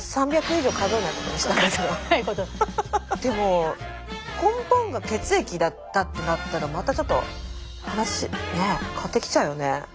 でも根本が血液だったってなったらまたちょっと話変わってきちゃうよね。